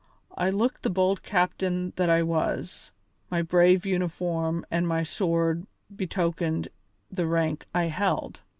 I looked the bold captain that I was; my brave uniform and my sword betokened the rank I held.